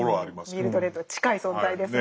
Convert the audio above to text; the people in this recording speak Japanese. ミルドレッド近い存在ですね。